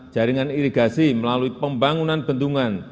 jaringan irigasi melalui pembangunan bendungan